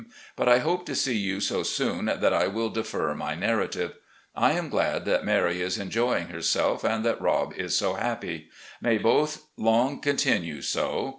But I hope to see you so soon that I ■will defer my narrative. I am glad that Mary is enjoying her self and that Rob is so happy. May both long continue so.